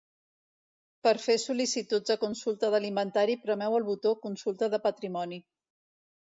Per fer sol·licituds de consulta de l'Inventari premeu el botó Consulta de Patrimoni.